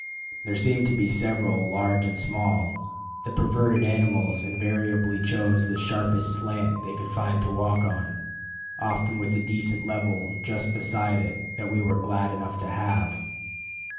There seemed to be several, large and small; and the perverted animals invariably chose the sharpest slant they could find to walk on, often with a decent level just beside it that we were glad enough to have.